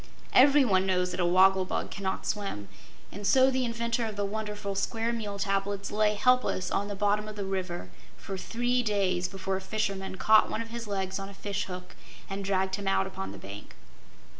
Everyone knows that a wogglebug cannot swim, and so the inventor of the wonderful Square Meal Tablets lay helpless on the bottom of the river for three days before a fisherman caught one of his legs on a fishhook and dragged him out upon the bank.